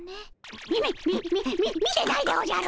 みみっみみみ見てないでおじゃる。